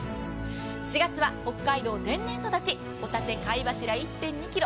４月は北海道天然育ちほたて貝柱１．２ｋｇ。